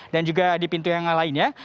dan juga di pintu yang lainnya